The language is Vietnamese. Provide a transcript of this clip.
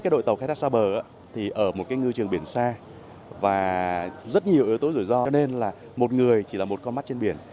đội tàu khai thác xa bờ thì ở một ngư trường biển xa và rất nhiều yếu tố rủi ro nên là một người chỉ là một con mắt trên biển